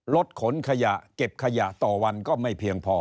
รถขนขยะเก็บขยะต่อวันก็ไม่เพียงพอ